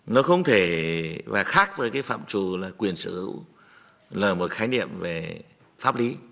nó không thể và khác với cái phạm trù là quyền sở hữu là một khái niệm về pháp lý